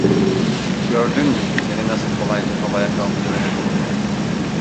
Gördün mü seni nasıl kolayca havaya kaldırıverdim…